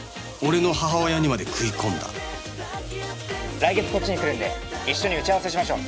「来月こっちに来るんで一緒に打ち合わせしましょう」